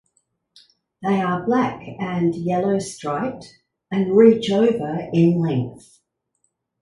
They are black and yellow striped and reach over in length.